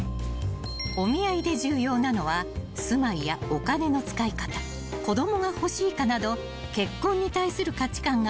［お見合いで重要なのは住まいやお金の使い方子供が欲しいかなど結婚に対する価値観が合っているか］